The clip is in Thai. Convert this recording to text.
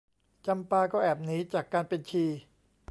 จำปาก็แอบหนีจากการเป็นชี